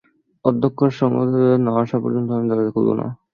অধ্যক্ষ আর সংবাদদাতা না আসা পর্যন্ত আমি দরজা খুলব না।